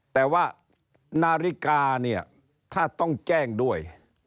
แต่ว่านาฬิกาเนี่ยถ้าต้องแจ้งด้วย